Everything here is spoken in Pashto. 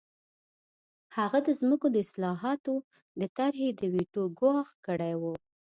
هغه د ځمکو د اصلاحاتو د طرحې د ویټو ګواښ کړی و